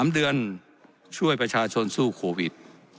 ๓เดือนช่วยประชาชนสู้โควิด